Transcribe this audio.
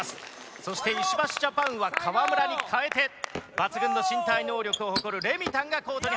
そして石橋ジャパンは河村に代えて抜群の身体能力を誇るレミたんがコートに入っています。